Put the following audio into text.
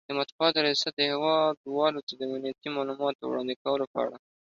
،د مطبوعاتو ریاست هیواد والو ته د امنیتي مالوماتو وړاندې کولو په اړه